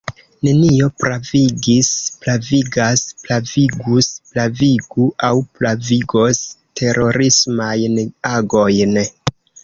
Nenio pravigis, pravigas, pravigus, pravigu aŭ pravigos terorismajn agojn.